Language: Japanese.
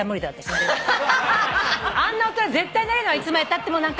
あんな大人絶対なれないいつまでたっても。